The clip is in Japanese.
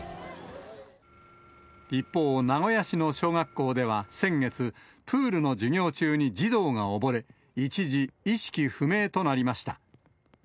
一方、名古屋市の小学校では先月、プールの授業中に児童が溺れ、一時、意識不明となりました。